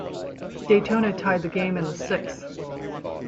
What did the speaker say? Daytona tied the game in the sixth.